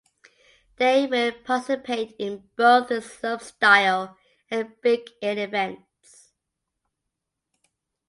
They will participate in both the slopestyle and big air events.